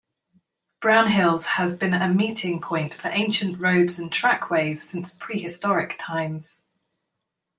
Brownhills has been a meeting point for ancient roads and trackways since prehistoric times.